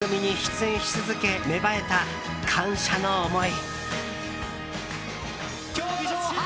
放送開始以来番組に出演し続け芽生えた、感謝の思い。